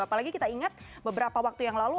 apalagi kita ingat beberapa waktu yang lalu